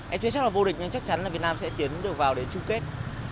em chưa chắc là vô địch nhưng chắc chắn là việt nam sẽ tiến được vào đến chung kết